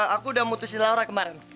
aku udah mutusi laura kemarin